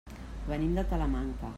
Venim de Talamanca.